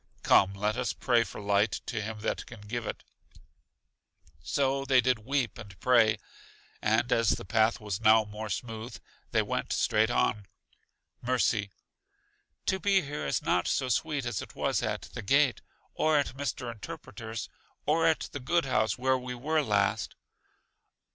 Come, let us pray for light to Him that can give it. So did they weep and pray. And as the path was now more smooth, they went straight on. Mercy: To be here is not so sweet as it was at The Gate, or at Mr. Interpreter's, or at the good house where we were last.